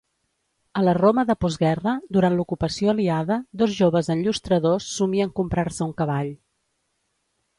A la Roma de postguerra, durant l'ocupació aliada, dos joves enllustradors somien comprar-se un cavall.